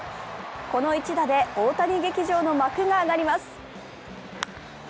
この一打で大谷劇場の幕が上がります。